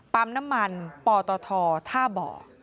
ปั๊มน้ำมันป่อต่อถ่อท่าบ่อ